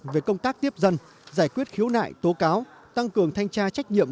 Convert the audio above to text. về công tác tiếp dân giải quyết khiếu nại tố cáo tăng cường thanh tra trách nhiệm